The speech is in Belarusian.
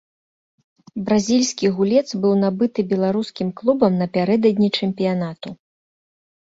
Бразільскі гулец быў набыты беларускім клубам напярэдадні чэмпіянату.